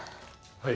はい。